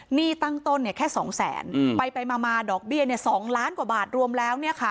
หนี้ตั้งต้นแค่๒แสนไปมาดอกเบี้ย๒ล้านกว่าบาทรวมแล้ว